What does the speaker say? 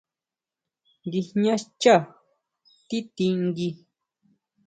Guijñá xchá tití ngui.